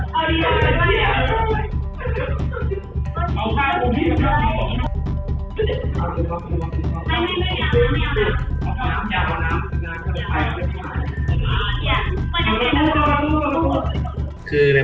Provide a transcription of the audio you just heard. สวัสดีครับวันนี้เราจะกลับมาเมื่อไหร่